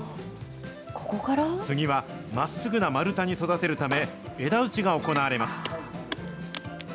杉はまっすぐな丸太に育てるため、枝打ちが行われます。